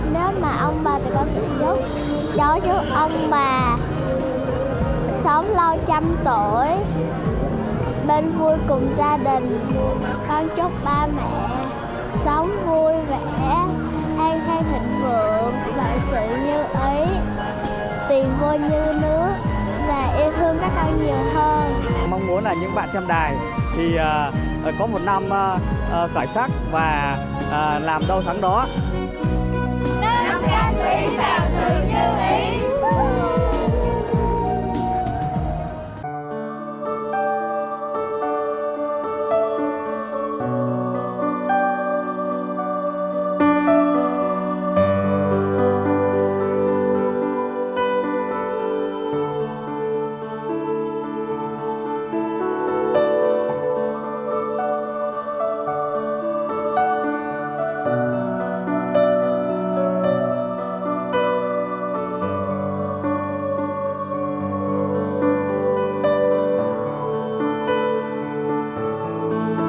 nếu mà ông bà thì con sẽ chúc cho chú ông bà sống lâu trăm tuổi